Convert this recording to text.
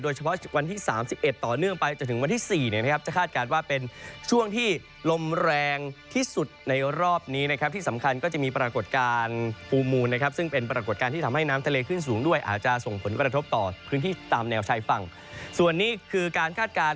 โดยเฉพาะวันที่๓๑ต่อเนื่องไปจนถึงวันที่๔นะครับ